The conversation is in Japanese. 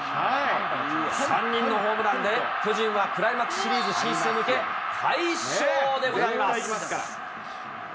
３人のホームランで、巨人はクライマックスシリーズ進出に向け、快勝でございます。